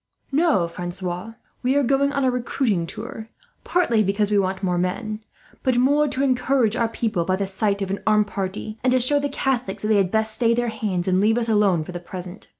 "No, Francois, we are going on a recruiting tour: partly because we want men, but more to encourage our people by the sight of an armed party, and to show the Catholics that they had best stay their hands, and leave us alone for the present.